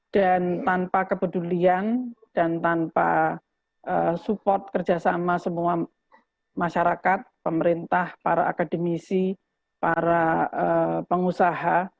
dan tanpa kepedulian dan tanpa support kerjasama semua masyarakat pemerintah para akademisi para pengusaha